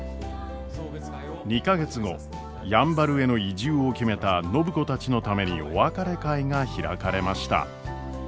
２か月後やんばるへの移住を決めた暢子たちのためにお別れ会が開かれました。